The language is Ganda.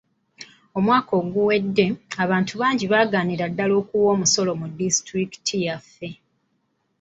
Omwaka oguwedde, abantu bangi baagaanira ddala okuwa omusolo mu disitulikiti yaffe.